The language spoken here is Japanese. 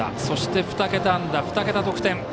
そして、２桁安打、２桁得点。